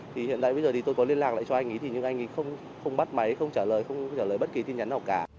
thì hiện tại bây giờ thì tôi có liên lạc lại cho anh ý thì nhưng anh ấy không bắt máy không trả lời không trả lời bất kỳ tin nhắn nào cả